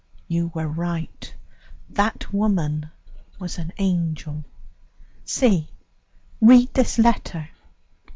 "You were right. That woman was an angel. See, read this letter."